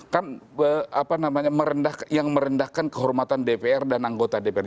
kan merendahkan kehormatan dpr dan anggota dpr